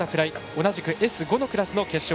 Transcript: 同じくＳ５のクラスの決勝。